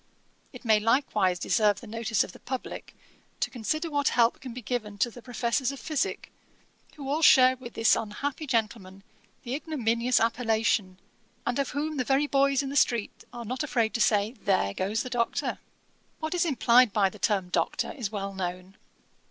It may likewise deserve the notice of the publick to consider what help can be given to the professors of physick, who all share with this unhappy gentleman the ignominious appellation, and of whom the very boys in the street are not afraid to say, There goes the Doctor. 'What is implied by the term Doctor is well known.